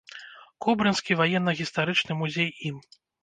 Кобрынскі ваенна-гістарычны музей ім.